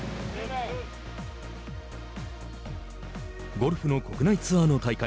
ゴルフの国内ツアーの大会。